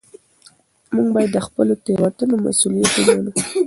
موږ باید د خپلو تېروتنو مسوولیت ومنو